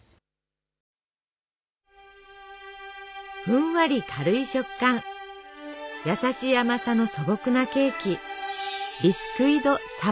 ふんわり軽い食感やさしい甘さの素朴なケーキ。